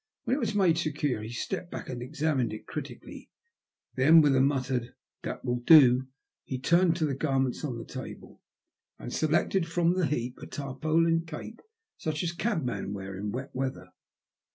When it was made secure he stepped back and exam ined it critically ; then with a muttered that will do," turned to the garments on the table, and selected from the heap a tarpaulin cape, such as cabmen wear in wet weather.